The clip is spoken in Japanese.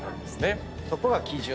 そこが基準。